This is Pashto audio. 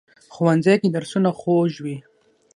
ښوونځی کې درسونه خوږ وي